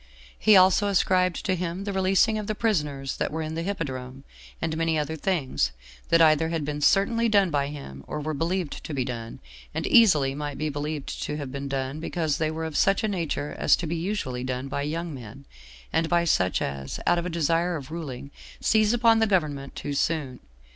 He also ascribed to him the releasing of the prisoners that were in the hippodrome, and many other things, that either had been certainly done by him, or were believed to be done, and easily might be believed to have been done, because they were of such a nature as to be usually done by young men, and by such as, out of a desire of ruling, seize upon the government too soon.